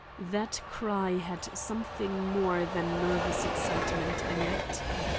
That cry had something more than nervous excitement in it.